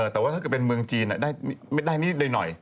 แต่ว่าถ้าเกิดเป็นเมืองจีนไม่ได้นิดหน่อย